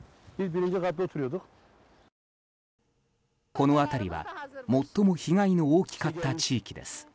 この辺りは最も被害の大きかった地域です。